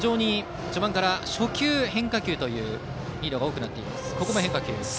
序盤から初球、変化球というリードが多くなっています。